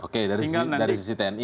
oke dari sisi tni